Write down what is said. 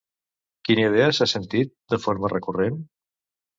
Quina idea s'ha sentit de forma recurrent?